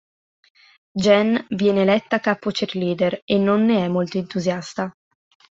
Jen viene eletta capo "cheerleader" e non ne è molto entusiasta.